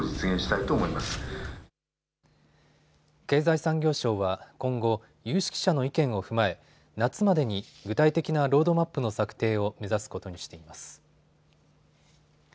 経済産業省は今後、有識者の意見を踏まえ夏までに具体的なロードマップの策定を目指すことにしています。